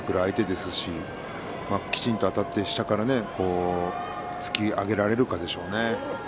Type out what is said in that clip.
ですからきちんとあたって下から突き上げられるかでしょうね。